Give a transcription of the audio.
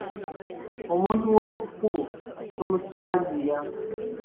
Omuntu ow'oku kkubo tomuswagira.